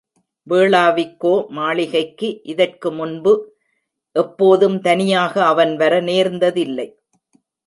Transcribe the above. வேளாவிக்கோ மாளிகைக்கு இதற்கு முன்பு எப்போதும் தனியாக அவன் வர நேர்ந்ததில்லை.